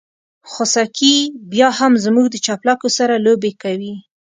خوسکي بيا هم زموږ د چپلکو سره لوبې کوي.